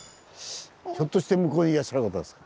ひょっとして向こうにいらっしゃる方ですか？